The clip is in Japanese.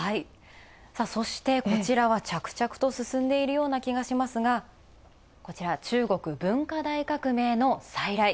そしてこちらは、着々と進んでいるような気がしますが、中国文化大革命の再来。